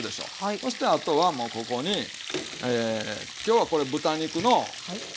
そしてあとはもうここに今日はこれ豚肉の肩ロースかな？